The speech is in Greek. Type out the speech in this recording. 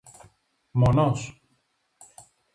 Μόνος;